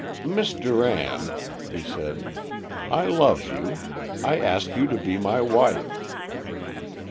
"Miss Durand," he said, "I love you. I ask you to be my wife."